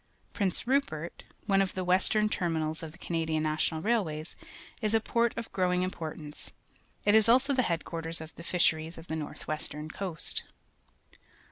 Prince Rupert, one of the western terminals of the Canadian Nation at^RjiilwaiysTls a port of growing importance. It is also the head quarters of the fi.sheries of the north western coast.